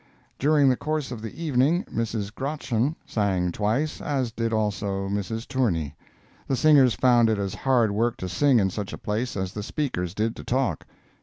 During the course of the evening, Mrs. Grotjan sang twice, as did also Mrs. Tourney. The singers found it as hard work to sing in such a place as the speakers did to talk.